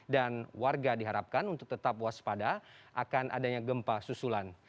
dan warga diharapkan untuk tetap waspada akan adanya gempa susulan